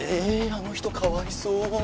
あの人かわいそう。